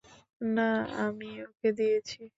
না, আমিই ওকে দিয়েছি।